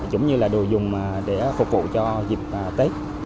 cũng như là đồ dùng để phục vụ cho dịp tết